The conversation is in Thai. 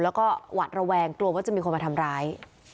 แล้วก็หวาดระแวงกลัวว่าจะมีคนมาทำร้าย